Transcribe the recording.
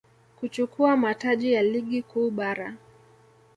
kuchukua mataji ya Ligi Kuu Bara